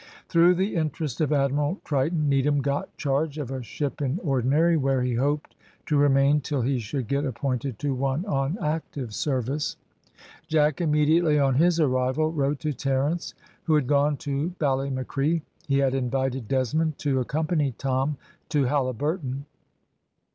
Through the interest of Admiral Triton, Needham got charge of a ship in ordinary, where he hoped to remain till he should get appointed to one on active service. Jack immediately on his arrival wrote to Terence, who had gone to Ballymacree; he had invited Desmond to accompany Tom to Halliburton.